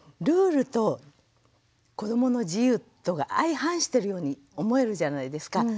ルールと子どもの自由とが相反してるように思えるじゃないですか。